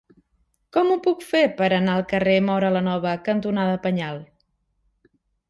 Com ho puc fer per anar al carrer Móra la Nova cantonada Penyal?